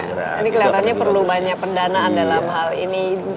ini kelihatannya perlu banyak pendanaan dalam hal ini